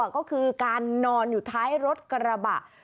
ก็คือการนอนอยู่ท้ายรถกระบะ